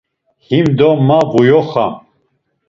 Himdo ma vuyoxam.